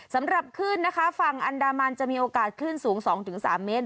สำหรับขึ้นนะคะฝั่งอันดามันจะมีโอกาสขึ้นสูง๒๓เมตร